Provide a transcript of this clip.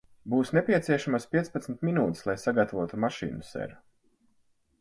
Būs nepieciešamas piecpadsmit minūtes, lai sagatavotu mašīnu, ser.